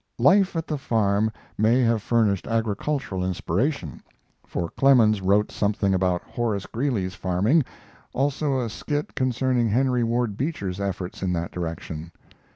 ] Life at the farm may have furnished agricultural inspiration, for Clemens wrote something about Horace Greeley's farming, also a skit concerning Henry Ward Beecher's efforts in that direction.